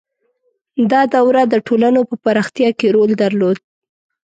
• دا دوره د ټولنو په پراختیا کې رول درلود.